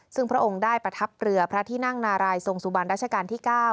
ซึ่งพระองค์ได้ประทับเรือพระที่นั่งนารายทรงสุบันราชการที่๙